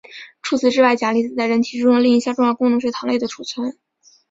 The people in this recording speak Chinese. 除此之外钾离子在人体之中另一项重要的功能是糖类的储存。